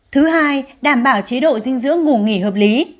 thứ hai đảm bảo chế độ dinh dưỡng ngủ nghỉ hợp lý